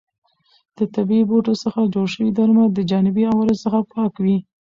د طبیعي بوټو څخه جوړ شوي درمل د جانبي عوارضو څخه پاک وي.